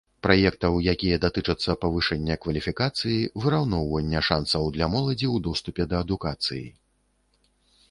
Праектаў, якія датычацца павышэння кваліфікацыі, выраўноўвання шансаў для моладзі ў доступе да адукацыі.